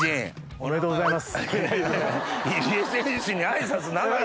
ありがとうございます。